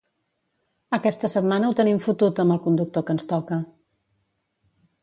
Aquesta setmana ho tenim fotut amb el conductor que ens toca